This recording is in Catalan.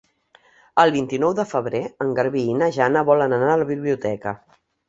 El vint-i-nou de febrer en Garbí i na Jana volen anar a la biblioteca.